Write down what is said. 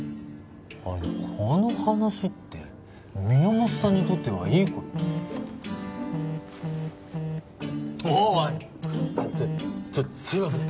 あのこの話って宮本さんにとってはいいことああっおい！